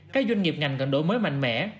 các doanh nghiệp ngành cần đổi mới mạnh mẽ